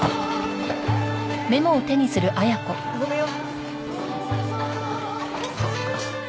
ごめんよ。